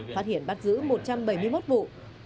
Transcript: phát hiện bắt giữ một trăm bảy mươi một vụ